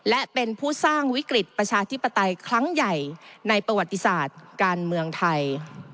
และเป็นผู้สร้างวิกฤตประชาธิปไตยครั้งใหญ่ในประวัติศาสตร์การเมืองไทย